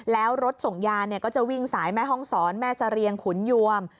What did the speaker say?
แล้วรถส่งยาก็จะวิ่งสายแม่ห้องศรแม่เสรียงขุนยวม